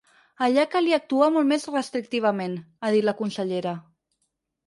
Allà calia actuar molt més restrictivament, ha dit la consellera.